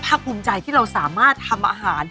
อร่อยอร่อยจริงทำง่ายด้วย